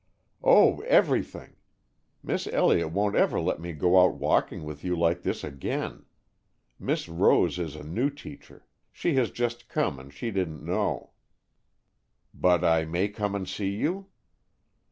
"Oh, everything. Miss Elliott won't ever let me go out walking with you like this again. Miss Rose is a new teacher. She has just come, and she didn't know." "But I may come and see you?"